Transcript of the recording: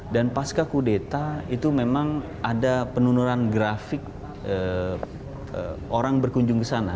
dan pasca kudeta itu memang ada penurunan grafik orang berkunjung ke sana